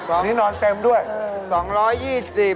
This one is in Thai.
อันนี้นอนเต็มด้วยสองร้อยยี่สิบ